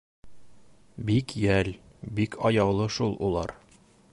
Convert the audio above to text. — Бик йәл, бик аяулы шул улар.